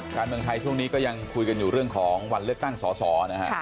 การเมืองไทยช่วงนี้ก็ยังคุยกันอยู่เรื่องของวันเลือกตั้งสอสอนะฮะ